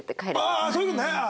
ああそういう事ね。